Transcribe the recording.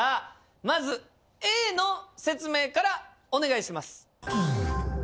まずＡの説明からお願いします。